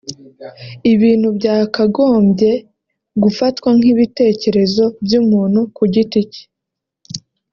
ibintu byakagombye gufatwa nk’ibitekerezo by’umuntu ku giti cye